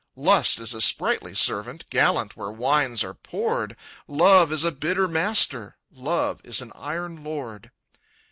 "Lust is a sprightly servant, Gallant where wines are poured; Love is a bitter master, Love is an iron lord.